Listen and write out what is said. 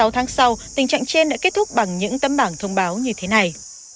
sáu tháng sau tình trạng trên đã kết thúc bằng những tấm bảng thông báo như thế này